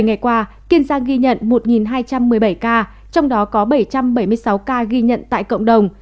một mươi ngày qua kiên giang ghi nhận một hai trăm một mươi bảy ca trong đó có bảy trăm bảy mươi sáu ca ghi nhận tại cộng đồng